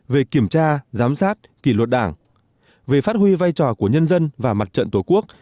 về kiểm tra giám sát kỷ luật đảng về phát huy vai trò của nhân dân và mặt trận tổ quốc